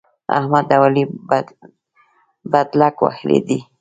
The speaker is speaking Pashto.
احمد او علي بدلک وهلی دی.